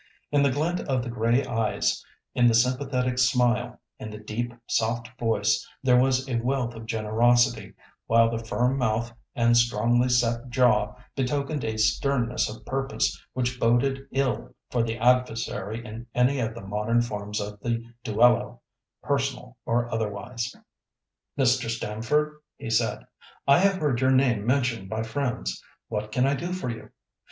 In the glint of the grey eyes, in the sympathetic smile, in the deep, soft voice there was a wealth of generosity, while the firm mouth and strongly set jaw betokened a sternness of purpose which boded ill for the adversary in any of the modern forms of the duello—personal or otherwise. "Mr. Stamford," he said, "I have heard your name mentioned by friends. What can I do for you?